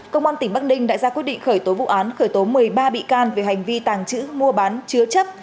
công an tỉnh bắc ninh đã ra quyết định khởi tố vụ án khởi tố một mươi ba bị can về hành vi tàng trữ mua bán chứa chấp